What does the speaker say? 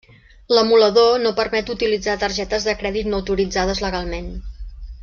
L'emulador no permet utilitzar targetes de crèdit no autoritzades legalment.